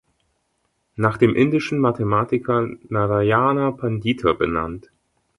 Nach dem indischen Mathematiker Narayana Pandita benannt.